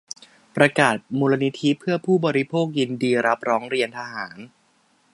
ประกาศ มูลนิธิเพื่อผู้บริโภค ยินดีรับร้องเรียนทหาร